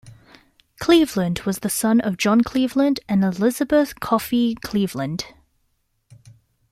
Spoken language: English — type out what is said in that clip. Cleveland was the son of John Cleveland and Elisabeth Coffey Cleveland.